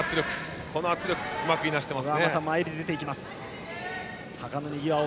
この圧力。うまくいなしています。